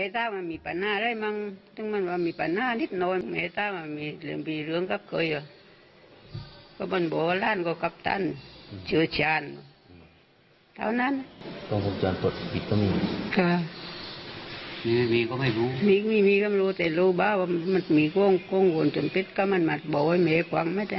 ยังรู้แต่รู้บ้างว่ามันมีกล้องวงจรปิดก็มันบอกว่าไม่เอาความไม่ได้